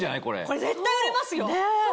これ絶対売れますよ。